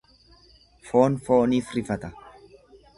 Foon fooniif rifata.